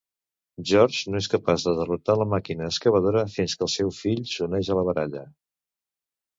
George no es capaç de derrotar la màquina excavadora fins que el seu fill s"uneixi a la baralla.